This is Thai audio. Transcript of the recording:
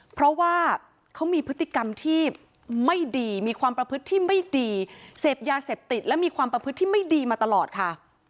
เพราะว่าเขามีพฤติกรรมที่ไม่ดีมีความประพฤติที่ไม่ดีเสพยาเสพติดและมีความประพฤติที่ไม่ดีมาตลอดค่ะ